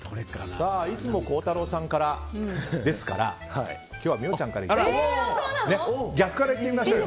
いつも孝太郎さんからですから今日は美桜ちゃんからいきましょう。